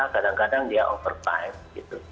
kadang kadang dia overtime